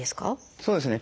そうですね。